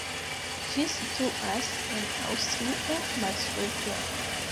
Ĝi situas en Aŭstrio Malsupra.